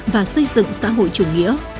và xây dựng xã hội chủ nghĩa